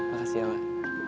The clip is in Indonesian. makasih ya mamah